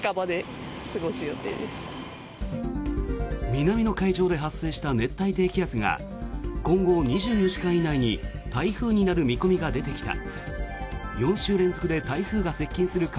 南の海上で発生した熱帯低気圧が今後２４時間以内に台風になる見込みが出てきた。